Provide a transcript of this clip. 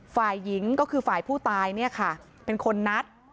ฝ่ายหญิงก็คือฝ่ายผู้ตายเนี่ยค่ะเป็นคนนัด